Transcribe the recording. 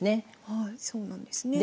はいそうなんですね。